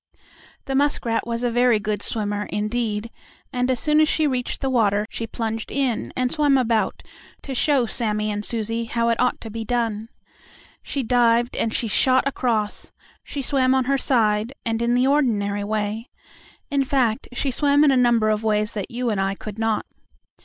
The muskrat was a very good swimmer, indeed, and as soon as she reached the water she plunged in and swam about, to show Sammie and Susie how it ought to be done. She dived, and she shot across; she swam on her side, and in the ordinary way. In fact, she swam in a number of ways that you and I could not.